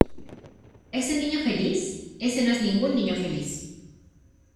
¿ Ese niño feliz? Eso no es ningún niño feliz.